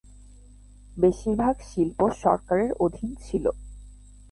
বেশির ভাগ শিল্প সরকারের অধীন ছিল।